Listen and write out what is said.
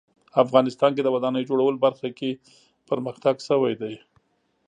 افغانستان کې د ودانیو جوړولو په برخه کې پرمختګ شوی ده